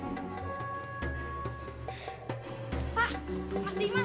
berhati hati mas dimas